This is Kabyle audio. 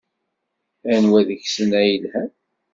Anwa deg-sen ay yelhan?